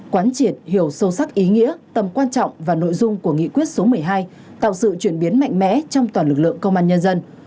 quán triệt hiểu sâu sắc ý nghĩa tầm quan trọng và nội dung của nghị quyết số một mươi hai tạo sự chuyển biến mạnh mẽ trong toàn lực lượng công an nhân dân